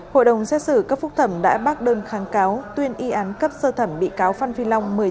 hội đồng xét xử cấp phúc thẩm đã bác đơn kháng cáo tuyên y án cấp sơ thẩm bị cáo phan phi long